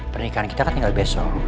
pernikahan kita kan tinggal besok